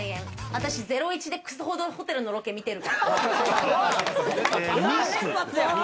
私『ゼロイチ』でクソほどホテルのロケ見てるから。